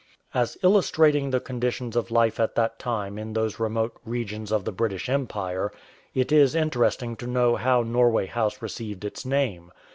As illustrating the conditions of life at that time in those remote regions of the British Empire, it is interest ing to know how Norway House received its name.